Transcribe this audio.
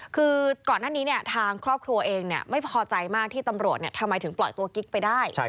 คือก่อนหน้านี้ทางครอบครัวเองไม่พอใจมากที่ตำรวจทำไมถึงปล่อยตัวกิ๊กไปได้